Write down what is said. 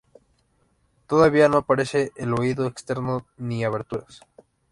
Todavía no aparece el oído externo ni aberturas.